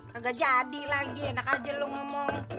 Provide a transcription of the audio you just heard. gak jadi lagi enak aja lu ngomong